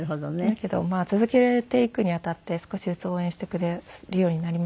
だけど続けていくにあたって少しずつ応援してくれるようになりましたけどね。